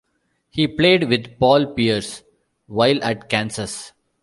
He played with Paul Pierce while at Kansas.